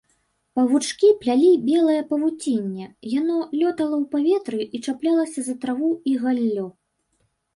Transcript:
Павучкі плялі белае павуцінне, яно лётала ў паветры і чаплялася за траву і галлё.